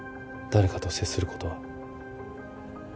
誰かと接することは？